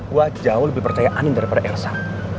gua jauh lebih percaya andin daripada elsa